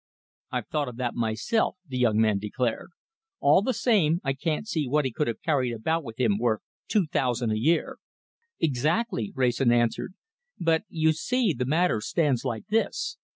"I've thought of that myself," the young man declared. "All the same, I can't see what he could have carried about with him worth two thousand a year." "Exactly," Wrayson answered, "but you see the matter stands like this.